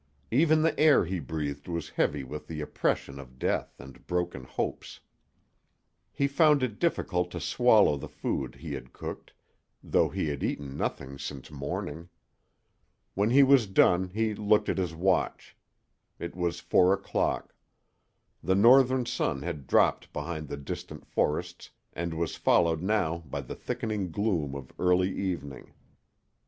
Even the air he breathed was heavy with the oppression of death and broken hopes. He found it difficult to swallow the food he had cooked, though he had eaten nothing since morning. When he was done he looked at his watch. It was four o'clock. The northern sun had dropped behind the distant forests and was followed now by the thickening gloom of early evening.